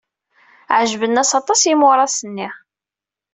Ɛejben-as aṭas yimuras-nni.